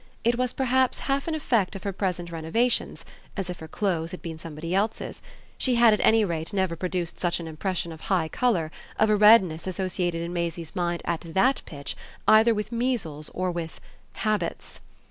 It was perhaps half an effect of her present renovations, as if her clothes had been somebody's else: she had at any rate never produced such an impression of high colour, of a redness associated in Maisie's mind at THAT pitch either with measles or with "habits."